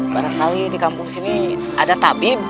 barangkali di kampung sini ada tabi